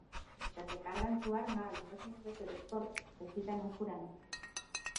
Mientras recargan su arma, algunos miembros de los Corps recitan un juramento.